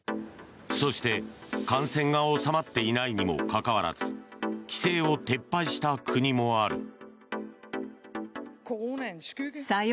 そして、感染が収まっていないにもかかわらず規制を撤廃した国もある。